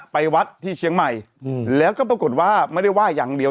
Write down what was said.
ไปวัดที่เชียงใหม่แล้วก็ปรากฏว่าไม่ได้ไหว้อย่างเดียว